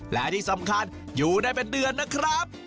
และที่สำคัญอยู่ได้เป็นเดือนนะครับ